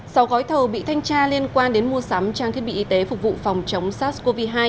sau gói thầu bị thanh tra liên quan đến mua sắm trang thiết bị y tế phục vụ phòng chống sars cov hai